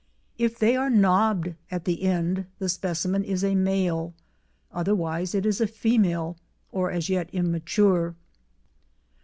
If they are knobbed at the end, the specimen is a male, otherwise it is a female or as yet immature.